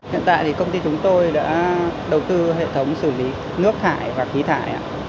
hiện tại thì công ty chúng tôi đã đầu tư hệ thống xử lý nước thải và khí thải